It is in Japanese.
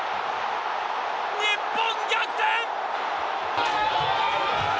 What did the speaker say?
日本、逆転！